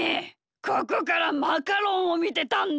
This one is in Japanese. ここからマカロンをみてたんだ。